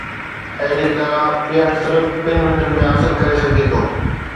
اهڙيء طرح پيئڻ صرف ٻن منٽن ۾ حاصل ڪري سگهجي ٿو.